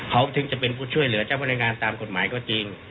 เขาถึงจะเป็นผู้ช่วยเหลือเจ้าพนักงานตามกฎหมายก็จริง